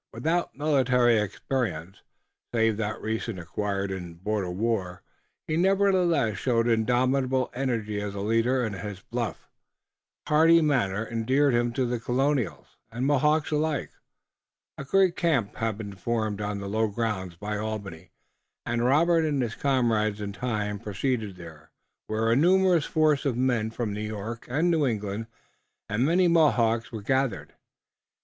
Without military experience, save that recently acquired in border war, he nevertheless showed indomitable energy as a leader, and his bluff, hearty manner endeared him to Colonials and Mohawks alike. A great camp had been formed on the low grounds by Albany, and Robert and his comrades in time proceeded there, where a numerous force of men from New York and New England and many Mohawks were gathered.